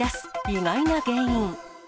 意外な原因。